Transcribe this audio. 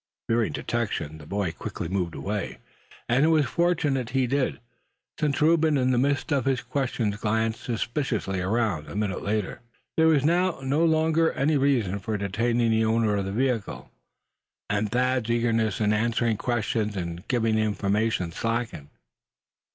Fearing detection, the boy quickly moved away; and it was fortunate he did, since Reuben in the midst of his questions glanced suspiciously around, a minute later. There was now no longer any reason for detaining the owner of the vehicle; and Thad's eagerness in answering questions and giving information slackened.